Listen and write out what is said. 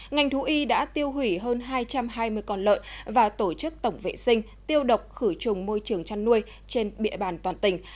ngành thú y đã tiêu hủy hơn hai trăm hai mươi con lợn và tổ chức tổng vệ sinh tiêu độc khử trùng môi trường chăn nuôi trên địa bàn toàn tỉnh